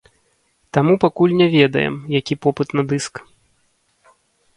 Таму пакуль не ведаем, які попыт на дыск.